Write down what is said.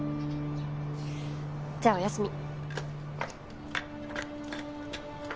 じゃあおやすみ。